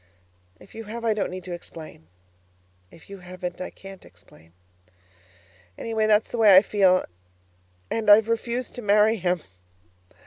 If you have, I don't need to explain; if you haven't, I can't explain. Anyway, that's the way I feel and I've refused to marry him.